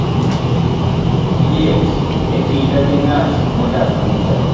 liet e kinda gi ng'at modak buta